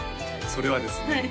それはですね